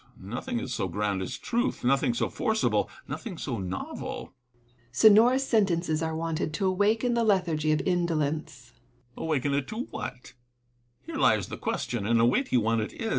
Nothing is so grand as truth, nothing so forcible, nothing so novel. Seneca. Sonorous sentences are wanted to awaken the lethargy of indolence. Epictetus. A^vaken it to what '2 Here lies the question; and a weighty one it is.